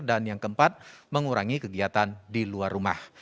dan yang keempat mengurangi kegiatan di luar rumah